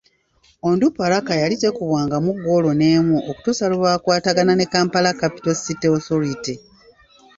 Onduparaka yali tekubwangamu ggoolo n'emu okutuusa lwe baakwatagana ne Kampala Capital city Authority.